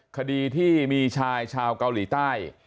คดีที่มีชายชาวเกาหลีใต้